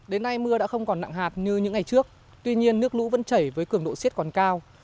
đến nay mưa đã không còn nặng hạt như những ngày trước tuy nhiên nước lũ vẫn chảy với cường độ siết còn cao